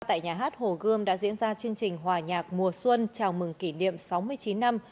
tại nhà hát hồ gươm đã diễn ra chương trình hòa nhạc mùa xuân chào mừng kỷ niệm sáu mươi chín năm